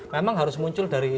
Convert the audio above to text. memang harus muncul dari